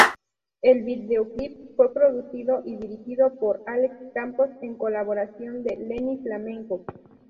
El videoclip fue producido y dirigido por Alex Campos, en colaboración de Lenny Flamenco.